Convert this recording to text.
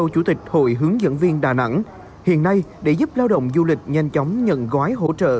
chủ tịch hội hướng dẫn viên đà nẵng hiện nay để giúp lao động du lịch nhanh chóng nhận gói hỗ trợ